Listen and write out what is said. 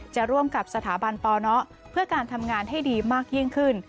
จะร่วมกับสถาบันปนเพื่อการทำงานให้ดีมากยิ่งขึ้น